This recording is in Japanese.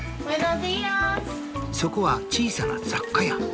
そこは小さな雑貨屋。